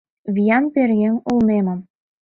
Виян пӧръеҥ улмемым